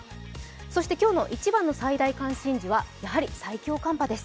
そして今日の一番の最大関心事はやはり最強寒波です。